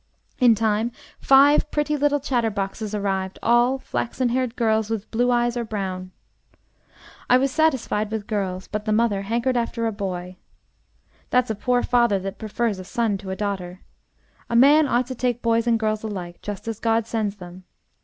In time five pretty little chatterboxes arrived, all flaxen haired girls with blue eyes, or brown. I was satisfied with girls, but the mother hankered after a boy. That's a poor father that prefers a son to a daughter. A man ought to take boys and girls alike, just as God sends them.